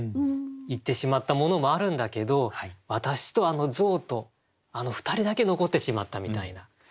いってしまったものもあるんだけど私とあの象とあの２人だけ遺ってしまったみたいな。